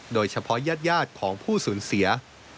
โดยเฉพาะญาติของผู้สูญเสีย